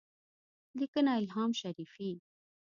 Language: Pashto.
لیکنه الهام شریفي